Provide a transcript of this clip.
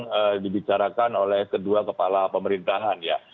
yang dibicarakan oleh kedua kepala pemerintahan ya